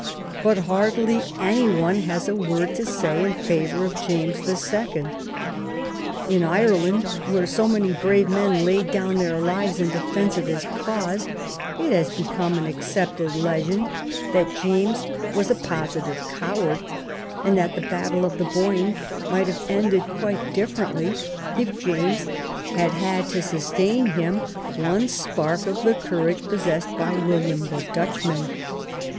But hardly any one has a word to say in favor of James the Second. In Ireland, where so many brave men laid down their lives in de fence of his cause, it has become an accepted legend that James was a positive coward, and that the battle of the Boyne might have ended quite differently if James had had to sustain him one spark of the courage possessed by William the Dutchman.